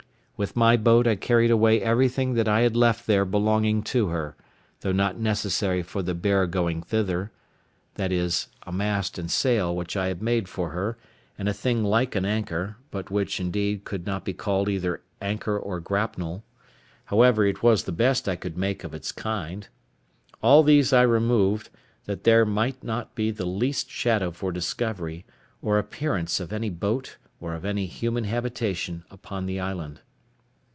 With my boat I carried away everything that I had left there belonging to her, though not necessary for the bare going thither—viz. a mast and sail which I had made for her, and a thing like an anchor, but which, indeed, could not be called either anchor or grapnel; however, it was the best I could make of its kind: all these I removed, that there might not be the least shadow for discovery, or appearance of any boat, or of any human habitation upon the island.